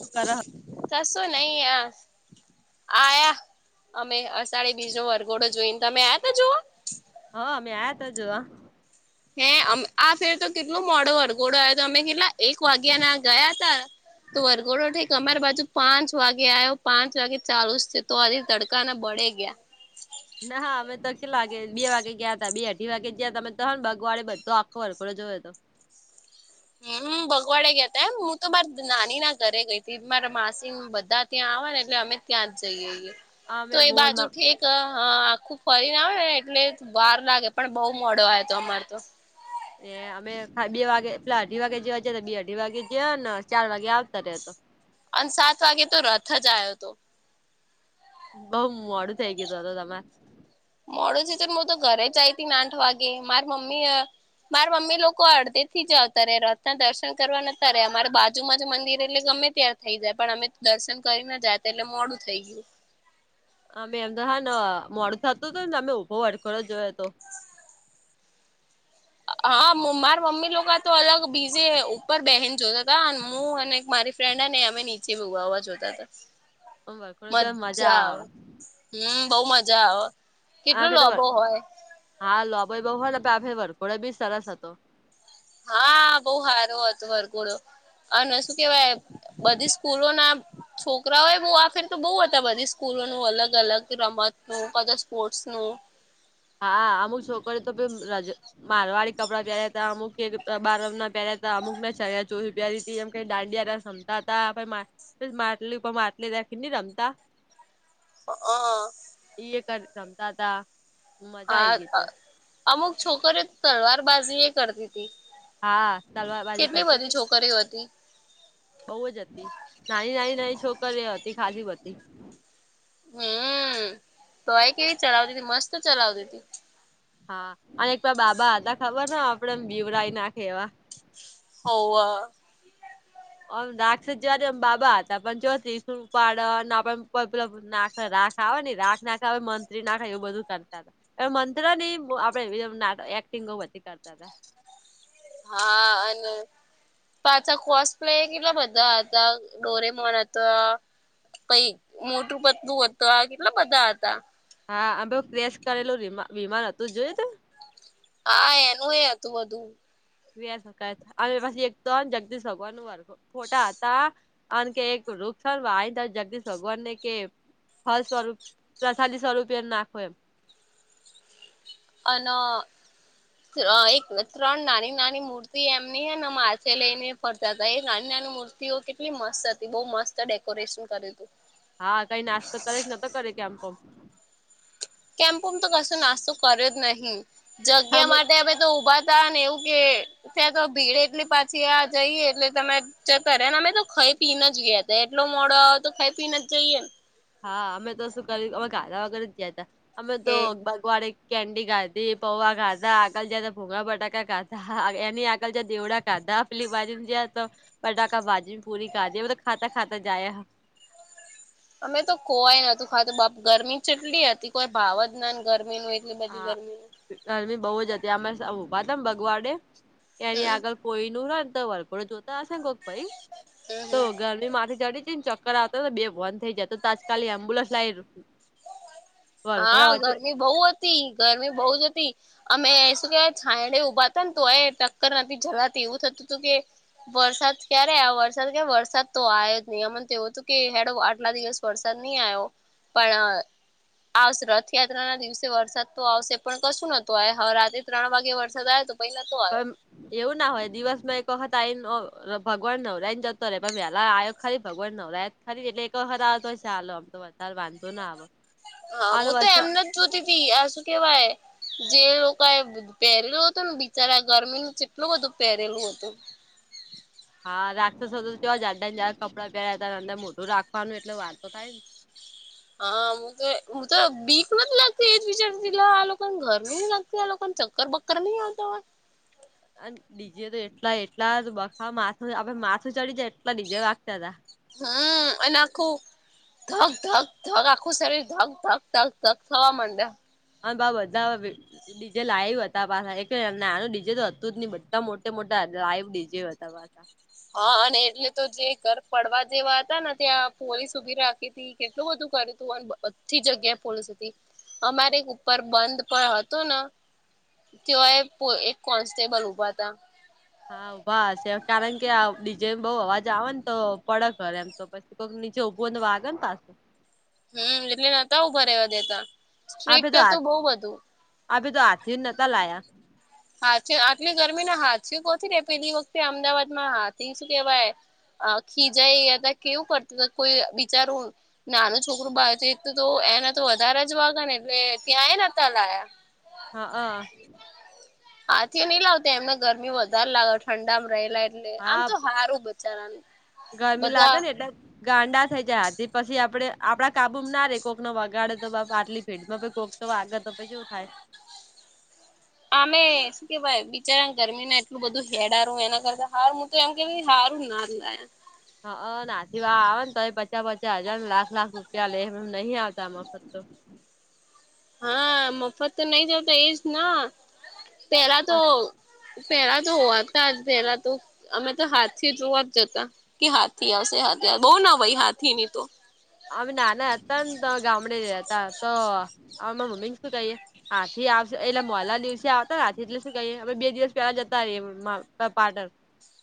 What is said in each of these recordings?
શું કર હ કશું નહી આ- આયા અમે અષાઢી બીજ નો વરઘોડો જોઈને તમે આયા તો જોઓ- હા અમે આયા હતા જોવા- હે આ ફેર તો કેટલું મોડો વરઘોડો આવયો તો અમે કેટલા એક વાગ્યા ના ગયા તા - તો વરઘોડો થઈક અમારી બાજુ પાંચ વાગે આવ્યો પાંચ વાગે ચાલુ જ છે તો આજ તડ- દકા ના બળે ગયા- ના હા અમે તો કેટલાે બે વાગે ગયા હતા બે અઢી વાગે ગયા હતા અમે તો હ બગવાડે બધો આખો વરકડો જોયો હતો- હમ- ભગવાડે ગયાતા એમ હું તો બર નાની ના ઘરે ગઈ હતી મારા માસી બધા ત્યાં આવેવા ને એટલે અમે- ત્યાં જ જઈએ તો અમે એ બાજુ મોલમાં ઠેક- તો હા આખું ફરીને આવેને એટલે વાર લાગે પણ બહુ મોડો આવ હતો અમાર તો- એ અમે બે વાગે પેલા અઢી વાગે જવા જ તો બે અઢી વાગે જયા ને ચાર વાગે આવતા રિયા - અને સાત વાગે તો રથ જ આવ્યો હતો- બઉ મોડું થઇ ગયું હતું ત્યારે - મોડું થતું છે તો હું તો ઘરે જઈ હતી ને આઠ વાગે મારિ મમ્મી- મારા મમ્મી લોકો અડધે થી જ આવતા રે રથના દર્શન કરવા નતા ર રહે અમારે બાજુમાંજુ મંદિર એટલે ગમે ત્યાં- થઈ જાય પણ અમે દર્શન કરીને જાય એટલે મોડું થઈ ગયું- અમે એમ તો હા ને મોડું થતું હત ને તમે ભો વર્કરો જોયો તો- હા મારા મમ્મી લોકો તો અલગ બીજે ઉપર બહેન જોતા હતા હું અને મારી- ફ્રેન્ડ નહ અમે નીચે ભુવાવા જોતા હતા વરઘોડો જોવા મજા આવે આવિ - હમ બઉ મજા આવી - એ તો હા લાબો બહુ હો આે વરઘોડો બી સરસ હતો. હા બહુ સારો હતો વરઘોડો- અને શું કેવાય બધી સ્કૂલો ના- છોકરાઓ એ બ આખેર તો બહુ હતા બધી સ્કૂલો નું અલગ અલગ રમત નુંધા સ્પોર્ટ્સ નું- હા અમુક છોકરી તો પ રજ મારવાળી કપડાં પહેર્યા હતા અમુક એક બારમ ના પહેર્યા- અમુકને ચણિયા ચોરી પેરી હતી એમ કઈ દાંડિયા રમતા માટલી ઉપર માટલી રાખીને રમતા- હ [unintelligible] ઈ કર રમતા હતા - હા અમુક છોકરી તલવાર બાજી એ કરતી હતી- હા તલવારબાજી કેટલી કરતી બધી હતી- છોકરીઓ હતી બહુ જ હતી નાની નાની નાની છોકરી એ હતી ખાસ બ હતી- હમ તો આય કેવી ચલાવતી હતી મસ્ત ચલાવતી હતી- હા અને એકવા બાબા હતા ખબર ને આપડે બીવરાઈ નાખે એવા- હો ઓમ દાક્ષ જવાની એમ બાબા હતા પણ જો શું ઉપાડેને પેલા નાખ રાખ આવે ને રાખ નાખે આવે મ ના એવું બધું કરતા હતા હ મંત્ર ની આપડે એક્ટિંગ બધી કરતા હતા હા અને પાછા કોસ પ્લે કેટલા બધા હતા ડોરેમોન હતો પ મોટું પતલું હતું આ કેટલા બધા હતા હા આમ ભ ક્રેશ કરેલુંમા વિમાન હતું જોય તો હા એનું એ હતું બધું ક શકાય અ પછી એક તો જગદીશ ભગવાન ન ફોટા હતા કાર કે એક વૃક્ષાર વા જગદીશ ભગવાન ને કે ફળ સ્વરૂપ પ્રસાદી સ્વરૂપી એમ નાખો એમ અન એક ત્રણ નાની નાની મૂર્તિ એમની હ ને માસે લઈ ને ફરતા હતા એ નાની નાની મૂર્તિઓ કેટલી મસ્ત હતી બઉુ મસ્ત ડેકોરેશન કરેલી હા કઈ નાસ્તો કરે છે ન કરે કે આમ પણ કેમ્પોમ તો કશું નાસ્તો કર્યો જ નહી પમ જગ્યા માટે અમે તો ઉભા ને એવું કે ત્યાં તો ભીડ એટલી પાછી આ જઈએ એટલે તમે ચકર એને અમે તો ખાઈ પીને જ ગયા હતા એટલો મોડો આવે તો ખાઈ પીને જઈને હા અમે તો શું કરી્યું અમે ગાધા વગર જ ગયા ત અમે તો હમ વાડે કેન્ડી ખાતીી પૌવા ખાતાા આકાલ જ ભોંગા બટાકા ખાતા અને આકાલ જ એવડા ખાધા પલી ભાજ જે તો પટાકા ભાજ પૂરી ખાદી તો ખાતા ખાતા જાય હ અમે તો કોવાય નતું ખાતું બાપ ગરમી જેટલી હતી કોઈ ભાવ જ નાાન ગરમીનું એટલી બધી હા ગરમીનું ગરમી બહુ જ હતી અમે ઉઊભા હતા બગવાડે એની હમ આગળ કોઈ ન હો ને તો વરકોડ જોતા હશે ને કોક ભાઈ હમ તો હમ ગરમી મામાંથી ચડી જ ને ચ કરતાને બે બંધ થઈ જતો તો આજકાલી એમ્બ્યુલન્સ લાવ હા ગરમી બહુ હતી ગરમી બહુ જ હતી અમે શું કે છયડે ઉઊભાતા ને ત એ ટક્કર નથી જલાતી એવું થતું હતું કે વરસાદ ક્યારે આ વરસાદ ક વરસાદ તો આવયો જ નહી એમને તો એવું હતું કે હેડ આટલા દિવસ વરસાદ નહી આવ્યો પણ આવશે રથયાત્રા ના દિવસે વરસાદ તો આવશે પણ કશું નતું આ હ રાત્ર ત્રણ વાગે વરસાદ આવે તો પહી ન તો આયો પણ એવું ના હોય દિવસ માં એક વખત આ આવીને ભગવાન નવરાય ને જતો રહેે પણ વહેલા આવયો ખાલી ભગવાન નવરાય ખરી એટલે એક વખત આવે તો ચાલો આમ તો વધારે વાંધો ના આવે હા અને હું તો વરસાદ એમને જ જોતી તી આ શું કેવાય જે લોકો એ પહેરેલું હતું ને બિચારા ગરમીનું જેટલું બધું પહેરેલું હતું હા રાખતો કેવા જાડડા જાડ કપડા પહેર્યા હતા અંદર મોટું રાખવાનું એટલે વાંધ તો થાય ને હા તો હું તો બીક નથી લાગતી એક વિચારતી આ લોકો ઘર ન લાગતી આ લોકો ચકરર બક્કર નહી આવતા ડીજે તો એટલા એટલા બખા માથું આપડ માથું ચડી જાય એટલા ડીજે વાગતા હતા હ એના ખૂબ ધક ધક ધક આખું શરીર ધક ધક ધક ધક થવા માંડે હા બાબધા ડીજે લાઈવ હતા પાછા એક નાનું ડીજે તો હતું જ નહ બધા મોટે મોટા લાઈવ ડીજે હતા પાછા હા અને એટલે તો જે ઘર પડવા જેવા હતા ને ત્યાં પોલીસ ઉભી રાખી હતી કેટલું બધું કર તું બધી જગ્યા પોલીસ હતી અમારે ઉપર બંધ પણ હતું ન તેઓ એ એક કોન્સ્ટેબલ ઊભા હતા હાભા છે કારણ કે ડીજે બઉ અવાજ આવે ને તો પડે ઘર એમ તો પીછી નીચે ઉભું અંદ વાગ ને પાસ હમ્મ એટલે નતા ઉભા ર રહેવા દેતા. આપે સ્ટ્રીક્ટ આ તો બહ બધું. આપે તો હાથી નતા લાયા હાથી આટલી ગરમી ના હાથીુ કોથી પેલી વખતે અમદાવાદ માં હાથી શું કેવાય ખીજાયયા હતા કેવું કરત કોઈ બિચારું નાનું છોકરું બાર જઈ તો એને તો વધારે જ વાગેને એટલે ત્યાંએ નતા લાયા. હા આ હાથીઓ નઈ લાવતાં એમને ગરમી વધારે લાગે ઠંડામાં રહેલા એ એટલે આમ હા તો હિરું બચારાનું ગરમી લાગે બધાં ને એટલે ગાંડા થઈ જાય હાથી પછી આપડે આપડા કાબુમાં ના રે કોકનો વગાડે તો બાપા આટલી ભીડમાં કોક તો વાગે તો પછી ચેવું થાય. આમે શું કેવાય બિચારાન ગરમીમાં એટલું બધું હેડારું એના કરતાં હારુન તો એમ કે ભઈ હારુન ના જ લાયા. હા અ નાથી વા આવેને તોય એ પચાસ પચાસ હજાર, લાખ લાખ રૂપિયા લે એમ એમ નહિં આવતા મ વખત તો હ [inaudible] હા મફત તો નહીં આવતા એજ ના પેહલાં તો પેહલાં તો હોતા હતાં જ પેલાં તો અમે તો હાથી જોવા જ જતાં. કે હાથી આવશે હાથી આવ બઉ નવાઈ હાથીની તો. અમે નાનાં હતાં ને તો ગામડે ગયા તા તો અ માર મમ્મીને શું કહીએે હાથી આવશે એલા મોલા દિવસે આવતા હાથી એટલે શું કહીએ અમે બે દિવસ પેલા જતાં રીયે મ પાટણ. હ [inaudible]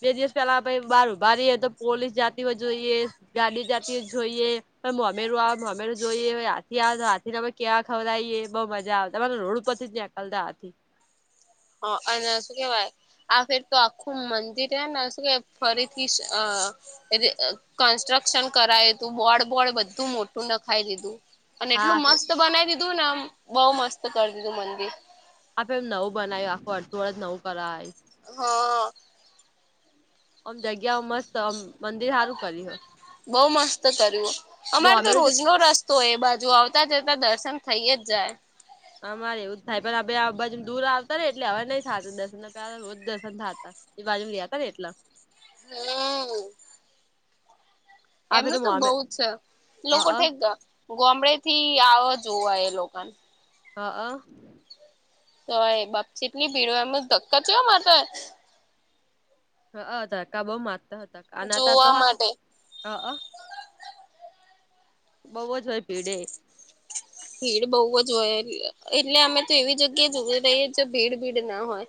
બે દિવસ પેલા પહી બહાર ઊભાં રહીએ તો પોલીસ જાતી હોય જોઈએ ગાડી જા તી જોઈએ પહી મોમેરૂ આવે મોમેરૂ જોઈએ પહી હાથી આવે તો હાથીને એ કેવા ખવરાઈએ બહુ મજા આવતાં અમાર રોડ ઉપર પરથી જ નેકલતા હાથી. હ અને શું કેવાય આ ફેર તો આખું મંદિર હેને શું કે ફરીથી અ એ કન્સ્ટ્રક્શન કરાયું હતું બોર્ડ બોર્ડ બધું મોટું નખાઈ દીધું. અને એટલું હા મસ્ત બનાઈ દીધુંને આમ બવ મસ્ત કર દીધું મંદિર. આ ફેરી નવું બનાયું આખું અડધું અડ નવું કરાય. હ. ઓમ જગ્યાઓ મસ્ત મંદિર સારું કર્યું હ. બઉ મસ્ત કર્યું અમારે તો મોમેરું જે રોજ રસ્ તો એ બાજુ આવતાં જતાં દર્શન થઈ જ જાય. અમારે એવું જ થાય પણ અબે આ બાજુ દૂર આવતા રહ્યાને એટલે હવે નહીં થાતું દર્શન નકર હારા રોજ દર્શન થાતા. એ બાજુ લ્યા તાન એટલા હમ્મ. આપે એમનું તો બઉ મોમે છે અ લોકો અ ઠેક ગોમડેથી આવ જોવા એ લોકોન. હ અ તોય બાપ ચેટલી ભીડો હોય એમ જ ધક્કા ચેવા મારે હ અ ધક્કા બહુ મારતાં હતાં આ હોય નાતો જોવા હ માટે અ. બવ જ હોય ભીડેય. [inaudible] ભીડ બવ જ હોય એટલે અમે તો એવી જગ્યાએ જોવી રહીએ છે ભીડ ભીડ ના હોય.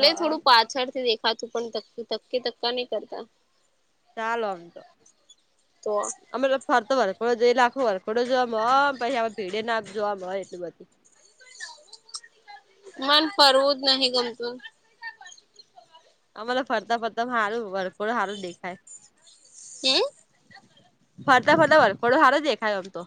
હ અ થોડું પાછળથી દેખાતું પણ ધક્કે ધક્કે ધક્કા નહીં કરતાં. ચાલો આમ તો અમે તો ફરતો વરતો જોઈ લાખો વરકડો જમો હો પછી અમે ભીડે ના જોવામ હોય એટલી બધી. મન ફરવું જ નહીં ગમતુંન. અમે તો ફરતાં ફરતાં મ હારું વરઘોડામાં હારું દેખાય. હમ્મ? ફરતાં ફરતાં વરઘોડા હારો દેખાય ઓમ તો.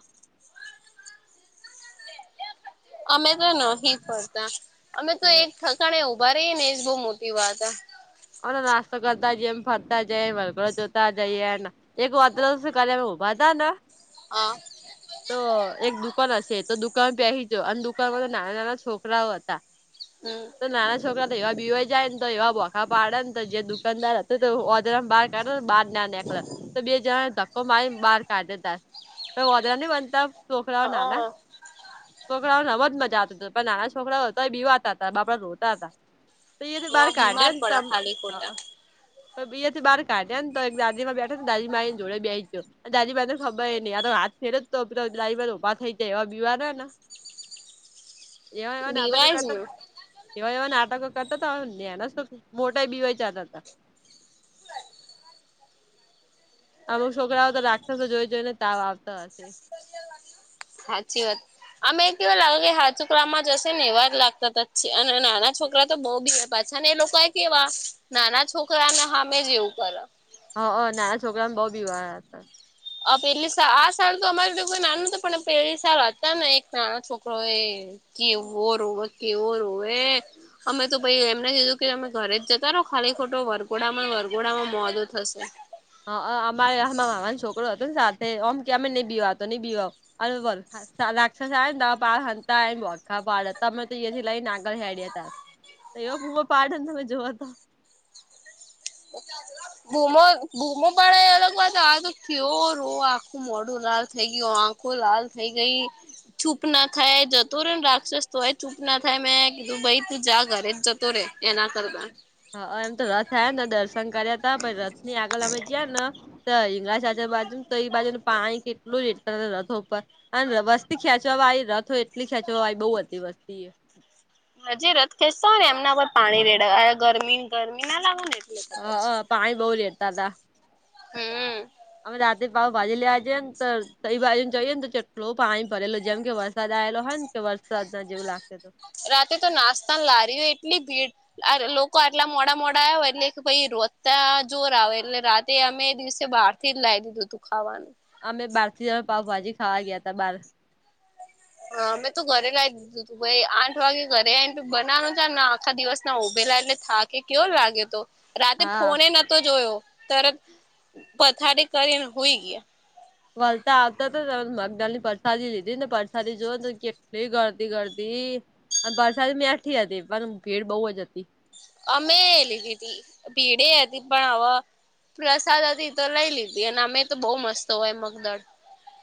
અમે તો નહીં ફરતાં અમે તો એક ઠકાણે ઉભા રહીએને એજ બહુ મોટી વાત હે. અમે તો નાસ્તો કરતાં જઈએ અને ફરતાં જઈએ, વરઘોડો જોતા જઈએ ન. એક વાત કઉ છું કાલે અમે ઉભા તાન હા તો એક દુકાન હશે તો દુકાન બેસીજો અને દુકાનમાં તો નાના નાના છોકરાઓ હતા. હમ તો નાના છોકરા તો એવા બીવા જાય ને તો એવા ભોખા પાડે ને તો જે દુકાનદાર હ તો ઓજરા બહાર કાઢે ને બહાર ના નેકળે તો બે જણા કો માઈ બહાર કાઢ દેતા વધે ન બનતા છોકરાઓ ના ના હ છોકરાઓ નમ જ મજા આવતી હતી પણ નાના છોકરાઓ તોય બીવાતા હતા બાપડા રોતા હતા તો એ તો હા બહાર બીમાર કાઢેને પડે ખાલી ખોટા ત બીએથી બાર કાઢ્યા ને તો એક દાદી માં બેઠા તા ને દાદી માને જોડે બેહી ગયો દાદી મા ને ખબર નહી આ ફેરો તો પેલો દાઈ વાર ઉભા થઈ જાય એવા બીવા ને એવા એવા નાટક બીવાય જ કરતા ને એવા એવા નાટકો કરતા હતા નેના તો મોટા બીવાય જાતા તા. અમુક છોકરાઓ તો રાખતા જોઈ જોઈને તાવ આવતા હશે. સાચી વાત. અમે કેવા લાગે કે હાથ છોકરામાં જશે ને એવા જ લાગતા તછી અને નાના છોકરા તો બહુ બીએ પાછા ને એ લોકો કેવા નાના છોકરાને હામે જ એવું કરે. હા નાના છોકરામાં બઉ બીવાયા હતા. આ પેલી આ સા તો અમારે તો કોઈ નાનું હતું પણ પેલી સાલ હતા ને એક નાના છોકરો એ કેવો રોવે કે કેવો રોવે અમે તો ભાઈ એમને કીધું કે તમે ઘરે જ જતા નો ખાલી ખોટો વરઘોડામાં વરઘોડામાં મોદો થશે. હા અમારે આ મામાને છોકરો હતો ને સાથે ઓમ કે અમે નહી બીવા નહી બીવા વલખા રાક્ષસ આયો ને દહ બાર હંતાય તમે તો અહીથી લઈને આગળ હેડયા તાર તો એવો બૂમો પાડે ને તમે જોવા ત બૂમો બૂમો પાડે અલગ વાત આ તો થયો રોઆ મોડું લાલ થઇ ગયું આંખો લાલ થઇ ગઈ. ચૂપ ના થાય જતો રેન રાક્ષસ તોય ચૂપ ના થાય મેં કીધું ભાઈ તું જા ઘરે જ તોરે એના કરતા. હા એમ તો રથ આયો ને દર્શન કર્યા તા પણ રથ ની આગળ અમે ગયા ને હિંગળશ આચુ બાજુ ને તો એ બાજુ ને પાણી કેટલું એટલે તો રથો ઉપર અને વસ્તી ખેંચવા આવી રથ હોય એટલી ખેંચવા આવી બહુ હતી વસ્તી એ. હજી રથ ખેંચતા હોય ને એમના પર પાણી રેડ ગરમી ગરમી ના લાવું ને એટલે હ કદાચ પાણી બહુ રેડતા હતા. હમ અમે રાતેે પાવ ભાજી લે જીએ ને તો તય બાજુ ને જઈએ ને તો જેટલો પાણી ભરેલો જેમ કે વરસાદ આવેલો હોય ને કે વરસાદ ના જેવું લાગતુ તુ. રાતે તો નાસ્તા લારી હોય એટલી ભીડ લોકો આટલા મોડા મોડા આયા હોય એટલે કે ભાઈ રોઘતા જોર આવે એટલે રાતે અમે દિવસે બહાર થી લાયુ તું બધું ખાવાનું. અમે બાર થી જમે પાાવભાજી ખાવા ગયા! હતા બારે. હા અમે તું ઘરે લાઈ તું તું ભાઈ આઠ વાગે ઘરે આઈન બનાવનું છે. આખા દિવસ ના ઉભેલા એટલે થાકે કેયો લાગ્યો તો. રાતે હા ફોને નતો જોયો તરત પથારી કરીને હોઈ ગયા. વલતા આવતા તો મગદાલની પરસાદી લીધી ને પરસાદી જોવો કેટલી ગરદી ગરદી. વરસાદી મેઠી હતી પણ ભીડ બહુ જ હતી. અમે એ લીધી તી ભીડે એથી પણ અવ પ્રસાદ હતી તો લઈ લીધી અને અમે તો બહુ મસ્ત હોય મગદાળ.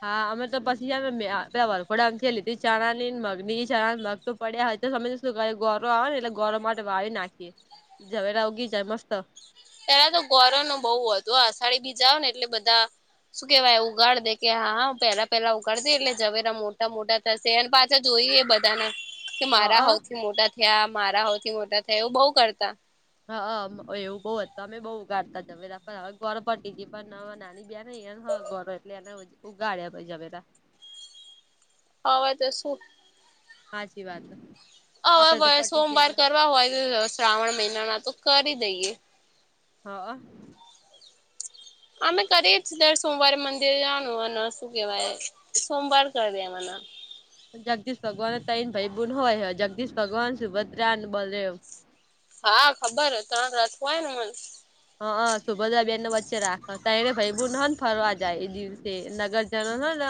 હા અમે તો પછી મેં પે વરખોડામથી લીધી ચણા ની મગ બીજી ચણા મગ તો પડ્યા હય તો સમય શું ગોરો આવે ને એટલે ગોરો માટે વાવી નાખીએ જવેરા ઉગી જાય મસ્ત. પેલા તો ગોર નો બહુ હતો અષાઢી બીજા આઓ ને એટલે બધા શું કેવાય ઉગાડ દે કે હા હ પેલા પેલા ઉગાડ દે એટલે જવેરા મોટા મોટા તા [unintelligible] પાછા જોઈએ બધાને. કે મારા હા હઉ થી મોટા થયા મારા હઉ થી મોટા થયા એવું બઉ કરતા. હાહ મ એવું બઉ હત, અમે બહુ ઉગાડતા જમે [unintelligible] હવે ગર પટી ગ પણ નાની બેન હે ન હ બરો એટલે એને ઉગાડ્યા બા [unintelligible] હવે તો શું સાચી વાત હવે આપડે તો ભવે પટી જાય સોમવાર એટલે કરવા હોય તો શ્રાવણ મહિનાના તો કરી દઈએ. હા. અમે કરીએ જ દર સોમવારે મંદિર જાનું અને શું કેવાય. સોમવાર કર દે મન. જગદીશ ભગવાન તૈન ભાઈ બૂન હોય જગદીશ ભગવાન સુભદ્રા અને બલદેવ. હા ખબર ત્રણ રાથું હોય ને મને. હા હા તો બધા બેન વચ્ચે રાખો ત એને ભયભૂ ના ને ફરવા જાય એ દિવસે નગરજનો ને